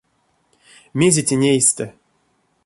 Мезе тень эйстэ?